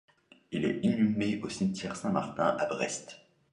Il est inhumé au cimetière Saint-Martin à Brest.